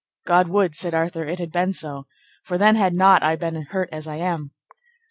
God would, said Arthur, it had been so, for then had not I been hurt as I am.